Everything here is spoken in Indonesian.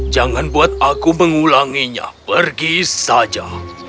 jangan buat aku mengulanginya pergi saja